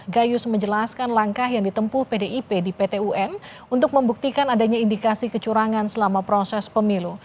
gayus menjelaskan langkah yang ditempuh pdip di pt un untuk membuktikan adanya indikasi kecurangan selama proses pemilu